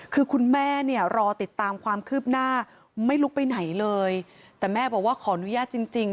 คือคุณแม่เนี่ยรอติดตามความคืบหน้าไม่ลุกไปไหนเลยแต่แม่บอกว่าขออนุญาตจริงจริง